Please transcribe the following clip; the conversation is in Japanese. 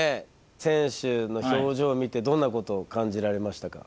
選手の表情を見てどんなことを感じられましたか？